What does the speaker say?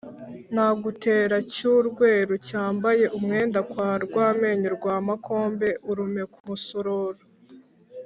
Nagutera Cyurweru cyambaye umwenda kwa Rwamenyo rwa Makombe. Urume ku musororo.